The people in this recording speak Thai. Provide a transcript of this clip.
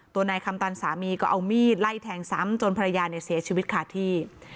ตัวนายคำตันสามีก็เอามีดไล่แทงซ้ำจนภรรยาเนี่ยเสียชีวิตขาดที่